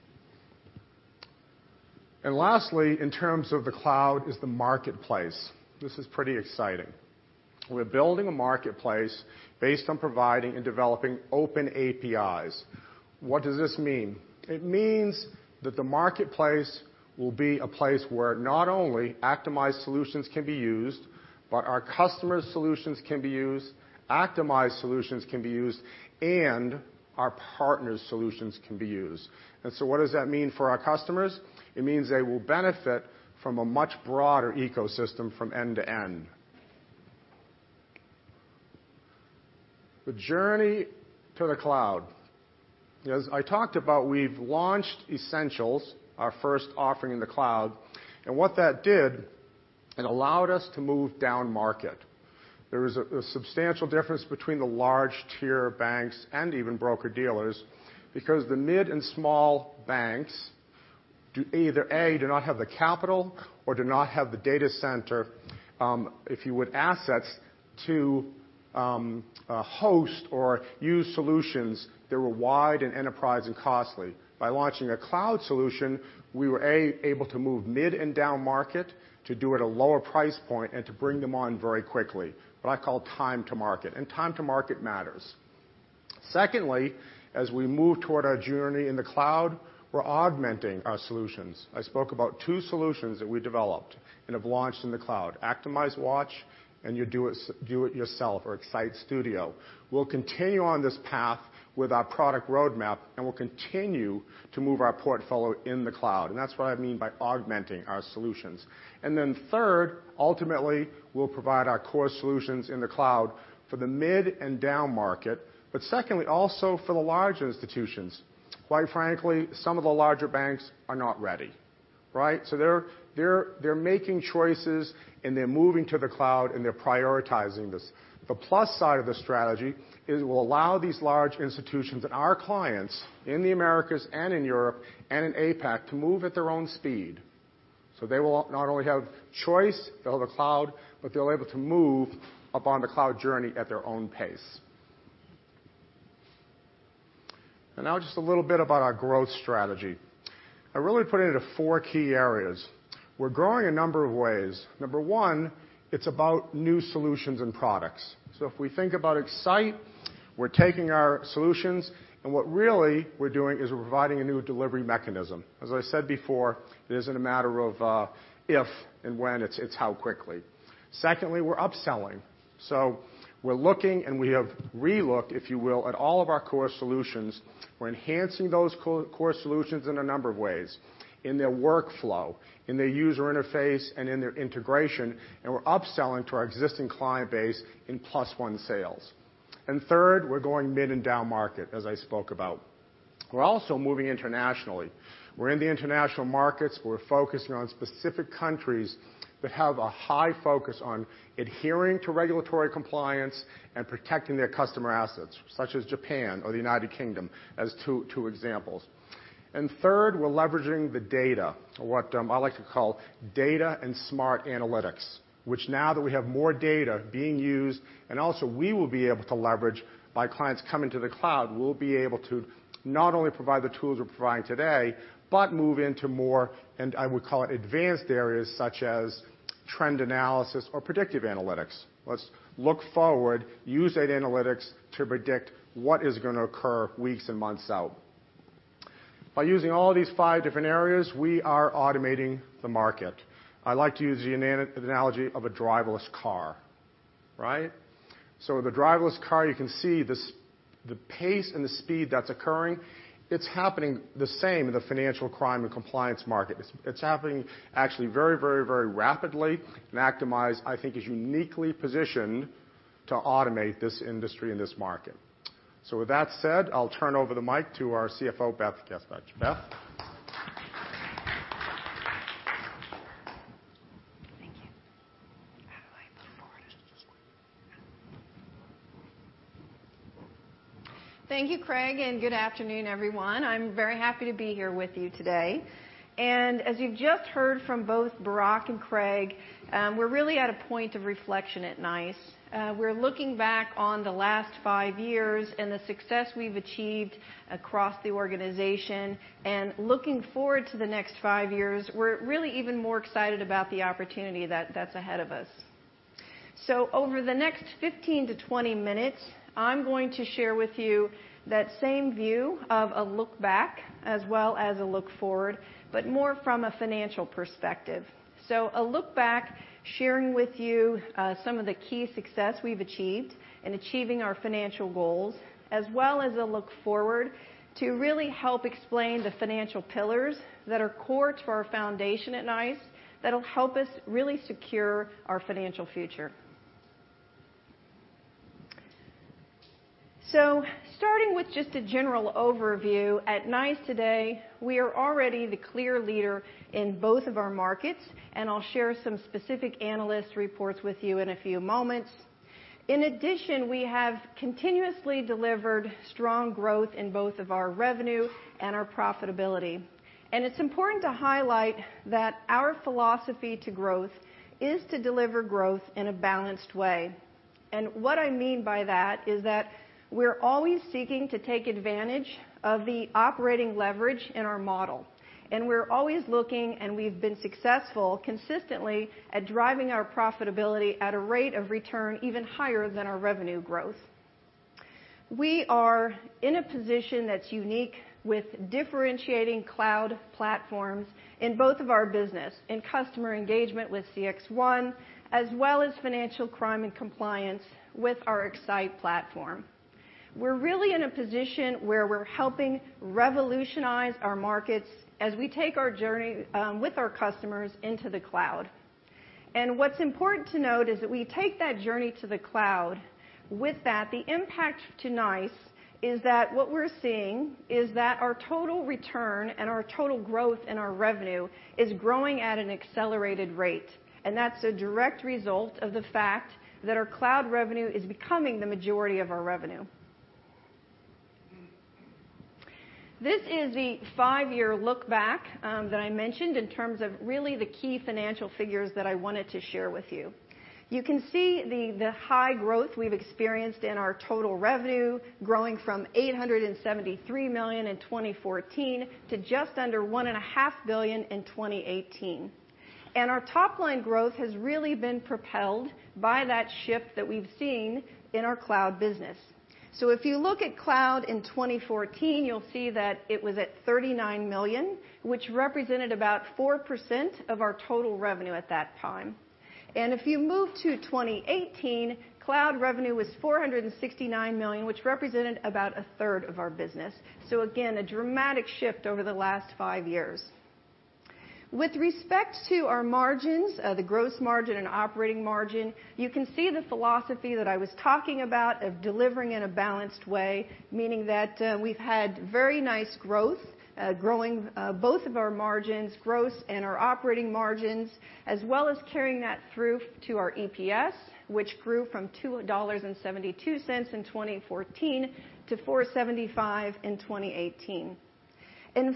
Lastly, in terms of the cloud, is the marketplace. This is pretty exciting. We're building a marketplace based on providing and developing open APIs. What does this mean? It means that the marketplace will be a place where not only Actimize solutions can be used, but our customers' solutions can be used, Actimize solutions can be used, and our partners' solutions can be used. What does that mean for our customers? It means they will benefit from a much broader ecosystem from end to end. The journey to the cloud. As I talked about, we've launched Essentials, our first offering in the cloud, and what that did, it allowed us to move down market. There is a substantial difference between the large tier banks and even broker-dealers because the mid and small banks do either, A, do not have the capital or do not have the data center, if you would, assets to host or use solutions that were wide and enterprise and costly. By launching a cloud solution, we were, A, able to move mid and down market to do at a lower price point and to bring them on very quickly. What I call time to market, and time to market matters. Secondly, as we move toward our journey in the cloud, we're augmenting our solutions. I spoke about two solutions that we developed and have launched in the cloud, ActimizeWatch and you do it yourself or X-Sight Studio. We'll continue on this path with our product roadmap, and we'll continue to move our portfolio in the cloud, and that's what I mean by augmenting our solutions. Third, ultimately, we'll provide our core solutions in the cloud for the mid and down market, but secondly, also for the large institutions. Quite frankly, some of the larger banks are not ready, right? They're making choices, and they're moving to the cloud, and they're prioritizing this. The plus side of the strategy is it will allow these large institutions and our clients in the Americas and in Europe and in APAC to move at their own speed. They will not only have choice, they'll have the cloud, but they'll able to move upon the cloud journey at their own pace. Now just a little bit about our growth strategy. I really put it into four key areas. We're growing a number of ways. Number one, it's about new solutions and products. If we think about X-Sight, we're taking our solutions and what really we're doing is we're providing a new delivery mechanism. As I said before, it isn't a matter of if and when, it's how quickly. Secondly, we're upselling. We're looking and we have re-looked, if you will, at all of our core solutions. We're enhancing those core solutions in a number of ways, in their workflow, in their user interface, and in their integration, and we're upselling to our existing client base in +1 sales. Third, we're going mid and down market, as I spoke about. We're also moving internationally. We're in the international markets. We're focusing on specific countries that have a high focus on adhering to regulatory compliance and protecting their customer assets, such as Japan or the U.K. as two examples. Third, we're leveraging the data or what I like to call data and smart analytics, which now that we have more data being used and also we will be able to leverage by clients coming to the cloud, we'll be able to not only provide the tools we're providing today, but move into more, and I would call it advanced areas such as trend analysis or predictive analytics. Let's look forward, use that analytics to predict what is gonna occur weeks and months out. By using all of these five different areas, we are automating the market. I like to use the analogy of a driverless car, right? With a driverless car, you can see the pace and the speed that's occurring. It's happening the same in the financial crime and compliance market. It's happening actually very rapidly, and Actimize, I think, is uniquely positioned to automate this industry and this market. With that said, I'll turn over the mic to our CFO, Beth Gaspich. Beth? Thank you. How do I move forward? Just this way. Thank you, Craig, and good afternoon, everyone. I'm very happy to be here with you today. As you've just heard from both Barak and Craig, we're really at a point of reflection at NICE. We're looking back on the last five years and the success we've achieved across the organization, and looking forward to the next five years, we're really even more excited about the opportunity that's ahead of us. Over the next 15-20 minutes, I'm going to share with you that same view of a look back as well as a look forward, but more from a financial perspective. A look back, sharing with you, some of the key success we've achieved in achieving our financial goals, as well as a look forward to really help explain the financial pillars that are core to our foundation at NICE that'll help us really secure our financial future. Starting with just a general overview, at NICE today, we are already the clear leader in both of our markets, and I'll share some specific analyst reports with you in a few moments. In addition, we have continuously delivered strong growth in both of our revenue and our profitability. It's important to highlight that our philosophy to growth is to deliver growth in a balanced way. What I mean by that is that we're always seeking to take advantage of the operating leverage in our model, and we're always looking, and we've been successful consistently at driving our profitability at a rate of return even higher than our revenue growth. We are in a position that's unique with differentiating cloud platforms in both of our business, in customer engagement with CXone, as well as financial crime and compliance with our X-Sight platform. We're really in a position where we're helping revolutionize our markets as we take our journey with our customers into the cloud. What's important to note is that we take that journey to the cloud. With that, the impact to NICE is that what we're seeing is that our total return and our total growth and our revenue is growing at an accelerated rate, and that's a direct result of the fact that our cloud revenue is becoming the majority of our revenue. This is the five-year look back that I mentioned in terms of really the key financial figures that I wanted to share with you. You can see the high growth we've experienced in our total revenue, growing from $873 million in 2014 to just under $1.5 billion in 2018. Our top line growth has really been propelled by that shift that we've seen in our cloud business. If you look at cloud in 2014, you'll see that it was at $39 million, which represented about 4% of our total revenue at that time. If you move to 2018, cloud revenue was $469 million, which represented about 1/3 of our business. Again, a dramatic shift over the last five years. With respect to our margins, the gross margin and operating margin, you can see the philosophy that I was talking about of delivering in a balanced way, meaning that we've had very nice growth, growing both of our margins, gross and our operating margins, as well as carrying that through to our EPS, which grew from $2.72 in 2014 to $4.75 in 2018.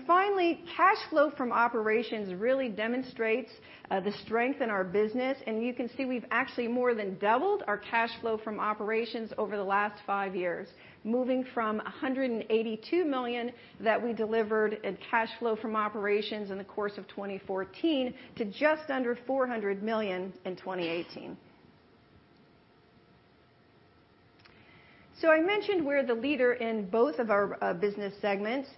Finally, cash flow from operations really demonstrates the strength in our business, and you can see we've actually more than doubled our cash flow from operations over the last 5 years, moving from $182 million that we delivered in cash flow from operations in the course of 2014 to just under $400 million in 2018. I mentioned we're the leader in both of our business segments.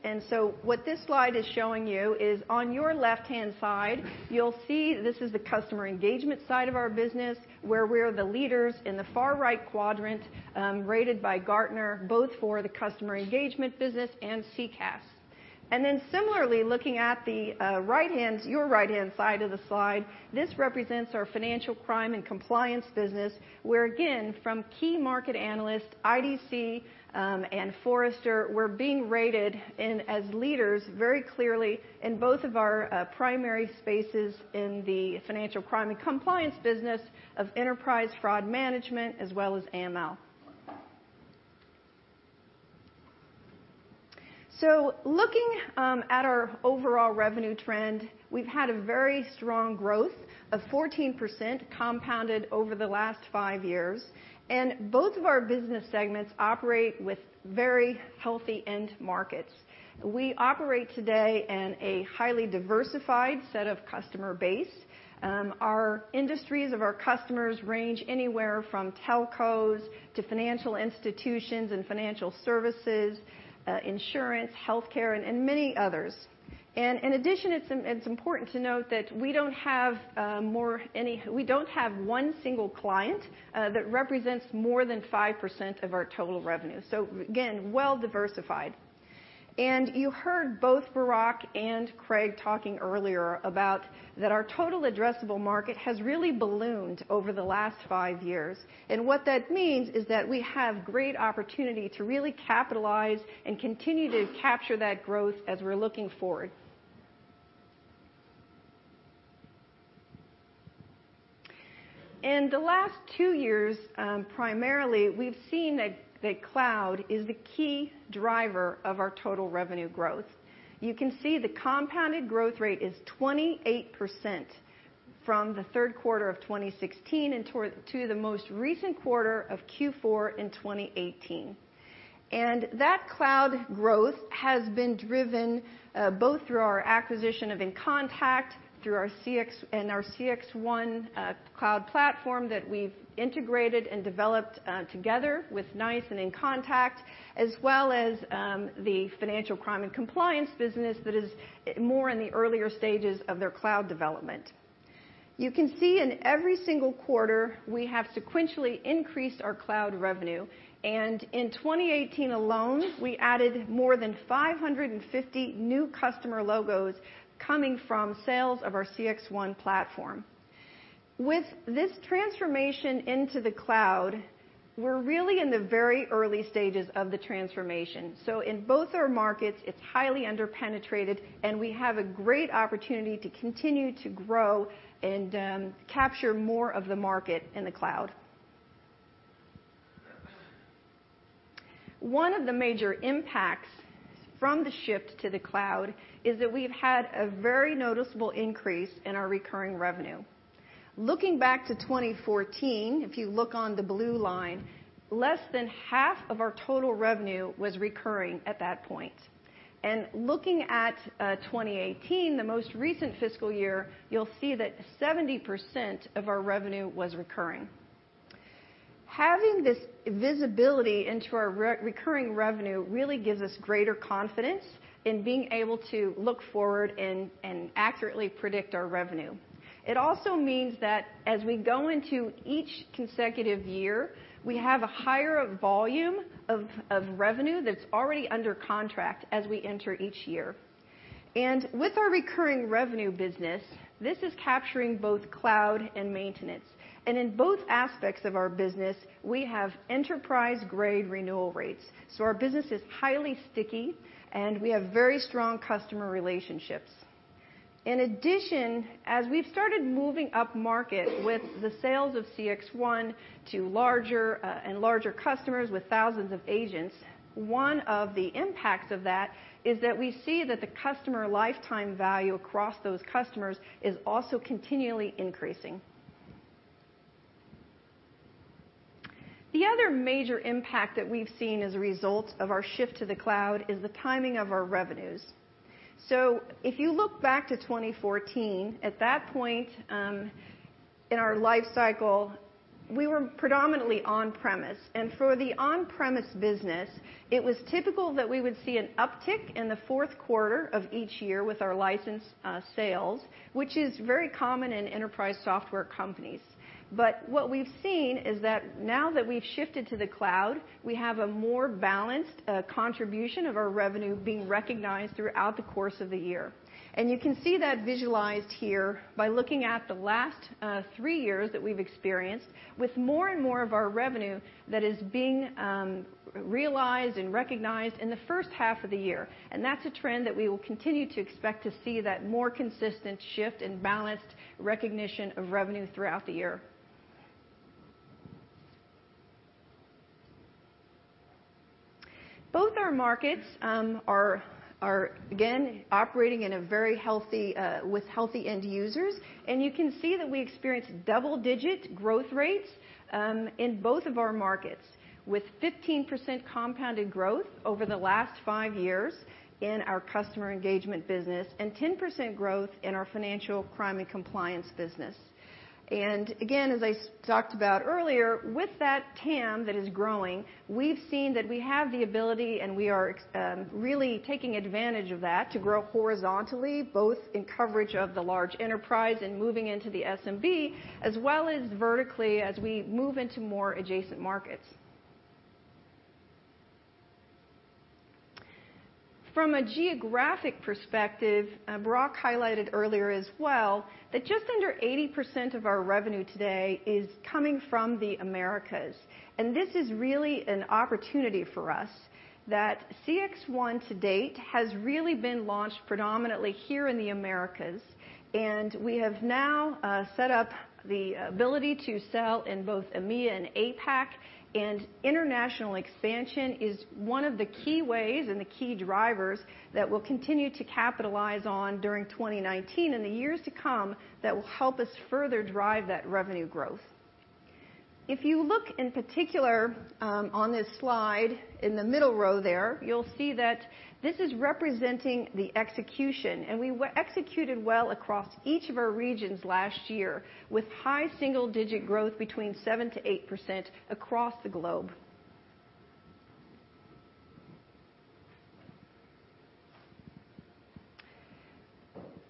What this slide is showing you is on your left-hand side, you'll see this is the customer engagement side of our business where we're the leaders in the far right quadrant, rated by Gartner, both for the customer engagement business and CCaaS. Similarly, looking at the right-hand, your right-hand side of the slide, this represents our financial crime and compliance business, where again, from key market analysts, IDC, and Forrester, we're being rated as leaders very clearly in both of our primary spaces in the financial crime and compliance business of enterprise fraud management as well as AML. Looking at our overall revenue trend, we've had a very strong growth of 14% compounded over the last five years, and both of our business segments operate with very healthy end markets. We operate today in a highly diversified set of customer base. Our industries of our customers range anywhere from telcos to financial institutions and financial services, insurance, healthcare, and many others. In addition, it's important to note that we don't have one single client that represents more than 5% of our total revenue. Again, well-diversified. You heard both Barak and Craig talking earlier about that our total addressable market has really ballooned over the last five years. What that means is that we have great opportunity to really capitalize and continue to capture that growth as we're looking forward. In the last 2 years, primarily, we've seen that cloud is the key driver of our total revenue growth. You can see the compounded growth rate is 28% from the third quarter of 2016 to the most recent quarter of Q4 in 2018. That cloud growth has been driven both through our acquisition of inContact, through our CXone cloud platform that we've integrated and developed together with NICE and inContact, as well as the financial crime and compliance business that is more in the earlier stages of their cloud development. You can see in every single quarter, we have sequentially increased our cloud revenue. In 2018 alone, we added more than 550 new customer logos coming from sales of our CXone platform. With this transformation into the cloud, we're really in the very early stages of the transformation. In both our markets, it's highly under-penetrated, and we have a great opportunity to continue to grow and capture more of the market in the cloud. One of the major impacts from the shift to the cloud is that we've had a very noticeable increase in our recurring revenue. Looking back to 2014, if you look on the blue line, less than half of our total revenue was recurring at that point. Looking at 2018, the most recent fiscal year, you'll see that 70% of our revenue was recurring. Having this visibility into our recurring revenue really gives us greater confidence in being able to look forward and accurately predict our revenue. It also means that as we go into each consecutive year, we have a higher volume of revenue that's already under contract as we enter each year. With our recurring revenue business, this is capturing both cloud and maintenance. In both aspects of our business, we have enterprise-grade renewal rates. Our business is highly sticky, and we have very strong customer relationships. In addition, as we've started moving upmarket with the sales of CXone to larger and larger customers with thousands of agents, one of the impacts of that is that we see that the customer lifetime value across those customers is also continually increasing. The other major impact that we've seen as a result of our shift to the cloud is the timing of our revenues. If you look back to 2014, at that point, in our life cycle, we were predominantly on-premise. For the on-premise business, it was typical that we would see an uptick in the fourth quarter of each year with our licensed sales, which is very common in enterprise software companies. What we've seen is that now that we've shifted to the cloud, we have a more balanced contribution of our revenue being recognized throughout the course of the year. You can see that visualized here by looking at the last three years that we've experienced with more and more of our revenue that is being realized and recognized in the first half of the year. That's a trend that we will continue to expect to see that more consistent shift and balanced recognition of revenue throughout the year. Both our markets are again operating in a very healthy with healthy end users. You can see that we experience double-digit growth rates in both of our markets. With 15% compounded growth over the last 5 years in our customer engagement business and 10% growth in our financial crime and compliance business. Again, as I talked about earlier, with that TAM that is growing, we've seen that we have the ability and we are really taking advantage of that to grow horizontally, both in coverage of the large enterprise and moving into the SMB, as well as vertically as we move into more adjacent markets. From a geographic perspective, Barak highlighted earlier as well, that just under 80% of our revenue today is coming from the Americas. This is really an opportunity for us that CXone to date has really been launched predominantly here in the Americas. We have now set up the ability to sell in both EMEA and APAC. International expansion is one of the key ways and the key drivers that we'll continue to capitalize on during 2019 and the years to come that will help us further drive that revenue growth. If you look in particular, on this slide in the middle row there, you'll see that this is representing the execution. We executed well across each of our regions last year with high single-digit growth between 7%-8% across the globe.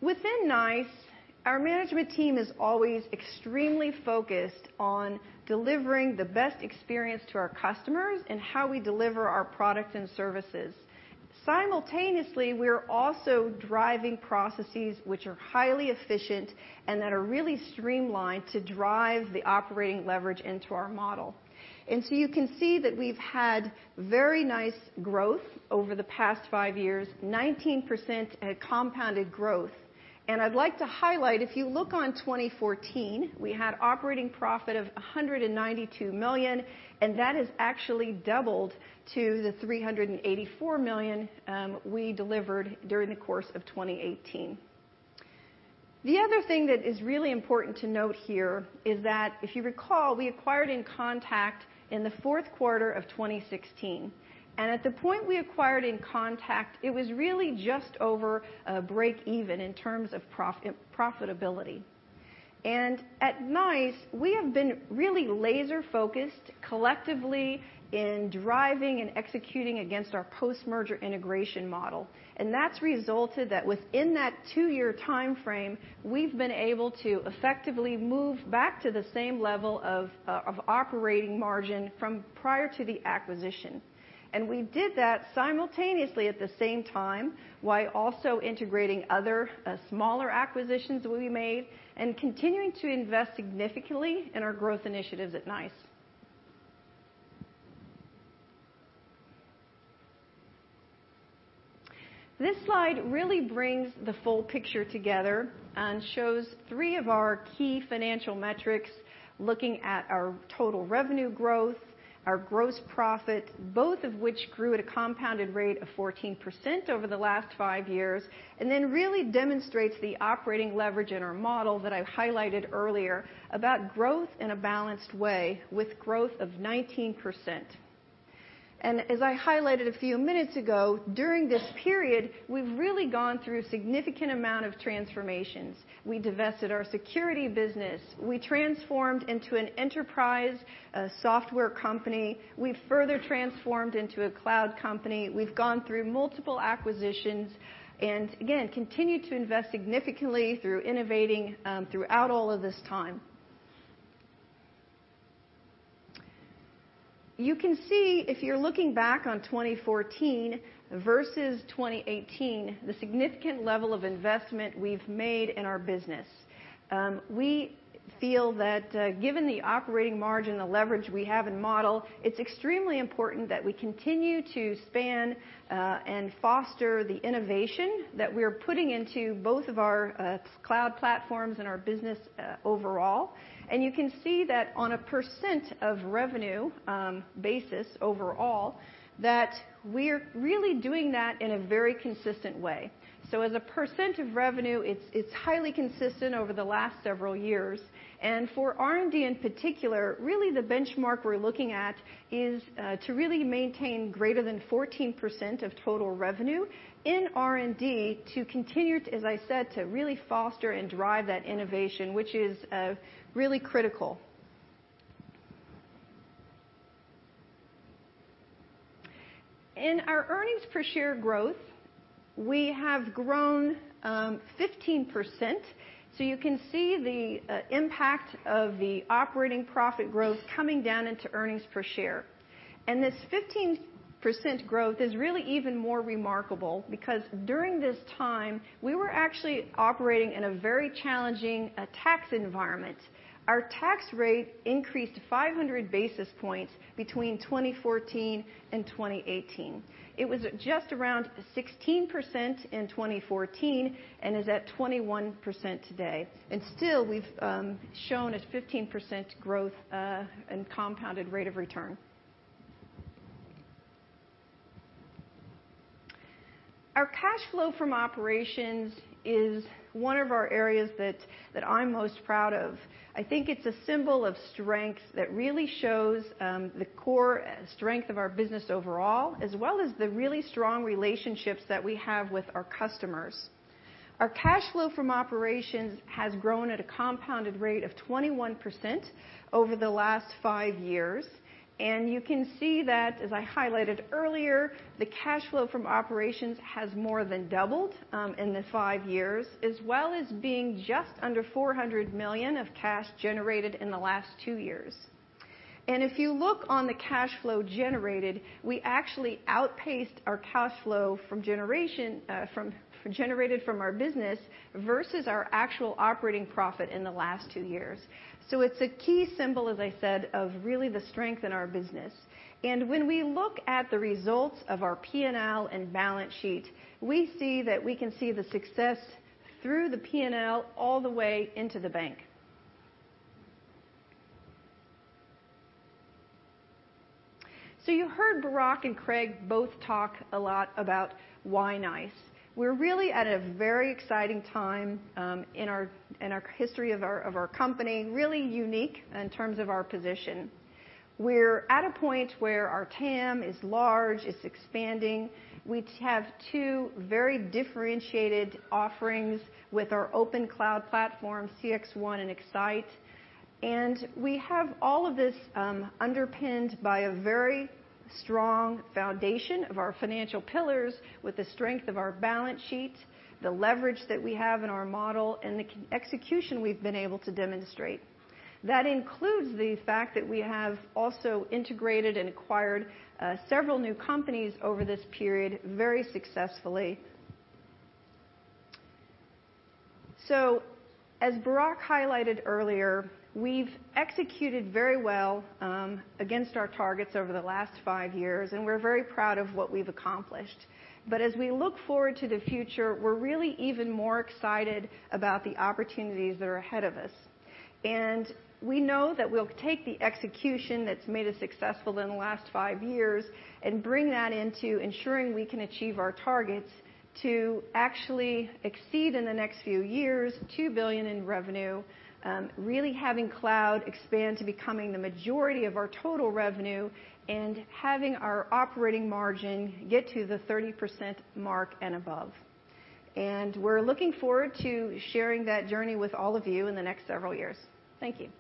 Within NICE, our management team is always extremely focused on delivering the best experience to our customers and how we deliver our products and services. Simultaneously, we're also driving processes which are highly efficient and that are really streamlined to drive the operating leverage into our model. You can see that we've had very nice growth over the past five years, 19% at compounded growth. I'd like to highlight, if you look on 2014, we had operating profit of $192 million, and that has actually doubled to the $384 million we delivered during the course of 2018. The other thing that is really important to note here is that, if you recall, we acquired inContact in the fourth quarter of 2016. At the point we acquired inContact, it was really just over break even in terms of profitability. At NICE, we have been really laser-focused collectively in driving and executing against our post-merger integration model. That's resulted that within that two-year timeframe, we've been able to effectively move back to the same level of operating margin from prior to the acquisition. We did that simultaneously at the same time, while also integrating other smaller acquisitions we made and continuing to invest significantly in our growth initiatives at NICE. This slide really brings the full picture together and shows three of our key financial metrics, looking at our total revenue growth, our gross profit, both of which grew at a compounded rate of 14% over the last three years, and then really demonstrates the operating leverage in our model that I highlighted earlier about growth in a balanced way with growth of 19%. As I highlighted a few minutes ago, during this period, we've really gone through a significant amount of transformations. We divested our security business. We transformed into an enterprise, a software company. We further transformed into a cloud company. We've gone through multiple acquisitions and again, continued to invest significantly through innovating throughout all of this time. You can see if you're looking back on 2014 versus 2018, the significant level of investment we've made in our business. We feel that given the operating margin, the leverage we have in model, it's extremely important that we continue to span and foster the innovation that we're putting into both of our cloud platforms and our business overall. You can see that on a percent of revenue basis overall, that we're really doing that in a very consistent way. As a percent of revenue, it's highly consistent over the last several years. For R&D in particular, really the benchmark we're looking at is to really maintain greater than 14% of total revenue in R&D to continue to, as I said, to really foster and drive that innovation, which is really critical. In our earnings per share growth, we have grown 15%. You can see the impact of the operating profit growth coming down into earnings per share. This 15% growth is really even more remarkable because during this time, we were actually operating in a very challenging tax environment. Our tax rate increased 500 basis points between 2014 and 2018. It was just around 16% in 2014 and is at 21% today. Still, we've shown a 15% growth in compounded rate of return. Our cash flow from operations is one of our areas that I'm most proud of. I think it's a symbol of strength that really shows the core strength of our business overall, as well as the really strong relationships that we have with our customers. Our cash flow from operations has grown at a compounded rate of 21% over the last five years. You can see that, as I highlighted earlier, the cash flow from operations has more than doubled in the five years, as well as being just under $400 million of cash generated in the last two years. If you look on the cash flow generated, we actually outpaced our cash flow from generation, from generated from our business versus our actual operating profit in the last two years. It's a key symbol, as I said, of really the strength in our business. When we look at the results of our P&L and balance sheet, we see that we can see the success through the P&L all the way into the bank. You heard Barak and Craig both talk a lot about why NICE. We're really at a very exciting time in our history of our company, really unique in terms of our position. We're at a point where our TAM is large, it's expanding. We have two very differentiated offerings with our open cloud platform, CXone and X-Sight. We have all of this underpinned by a very strong foundation of our financial pillars with the strength of our balance sheet, the leverage that we have in our model, and the execution we've been able to demonstrate. That includes the fact that we have also integrated and acquired several new companies over this period very successfully. As Barak highlighted earlier, we've executed very well against our targets over the last five years, and we're very proud of what we've accomplished. As we look forward to the future, we're really even more excited about the opportunities that are ahead of us. We know that we'll take the execution that's made us successful in the last five years and bring that into ensuring we can achieve our targets to actually exceed in the next few years $2 billion in revenue, really having cloud expand to becoming the majority of our total revenue and having our operating margin get to the 30% mark and above. We're looking forward to sharing that journey with all of you in the next several years. Thank you.